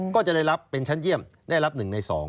ก็จะได้รับเป็นชั้นเยี่ยมได้รับ๑ใน๒